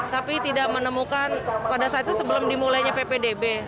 tapi tidak menemukan pada saat itu sebelum dimulainya ppdb